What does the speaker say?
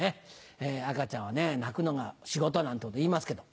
赤ちゃんは泣くのが仕事なんてこと言いますけど。